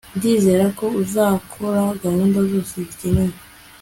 ndizera ko uzakora gahunda zose zikenewe